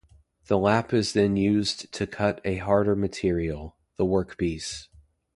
The lap is then used to cut a harder material - the workpiece.